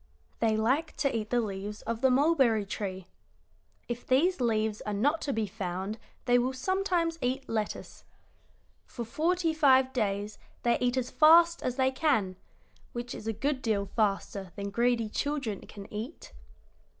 "They like to eat the leaves of the mulberry tree. If these leaves are not to be found they will sometimes eat lettuce. For forty five days they eat as fast as they can, which is a good deal faster than greedy children can eat.